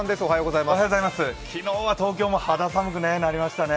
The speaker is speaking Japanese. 昨日は東京も肌寒くなりましたね。